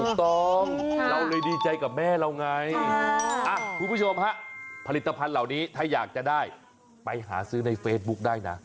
เราเลยดีใจกับแม่เราไงคุณผู้ชมฮะผลิตภัณฑ์เหล่านี้ถ้าอยากจะได้ไปหาซื้อในเฟซบุ๊คได้นะ